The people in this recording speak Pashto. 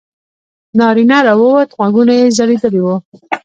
نارینه راووت غوږونه یې ځړېدلي وو.